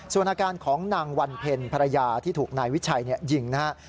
ส่วนอาการของนางวันเพ็ญภรรยาที่ถูกนายวิชัยยิงนะครับ